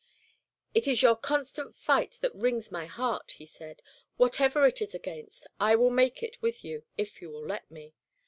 "It is your constant fight that wrings my heart," he said. "Whatever it is against, I will make it with you, if you will let me.